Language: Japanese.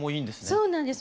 そうなんです。